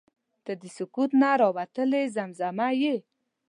• ته د سکوت نه راوتلې زمزمه یې.